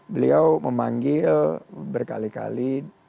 beliau memanggil berkali kali